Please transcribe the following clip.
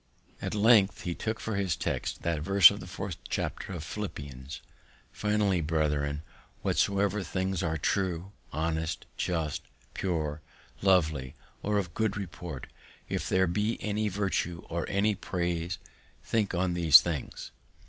At length he took for his text that verse of the fourth chapter of Philippians, "_Finally, brethren, whatsoever things are true, honest, just, pure, lovely, or of good report, if there be any virtue, or any praise, think on these things.